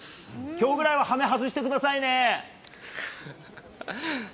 きょうぐらいは羽目外してくださいね。